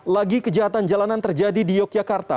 lagi kejahatan jalanan terjadi di yogyakarta